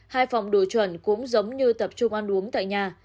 hai phòng đổi chuẩn cũng giống như tập trung ăn uống tại nhà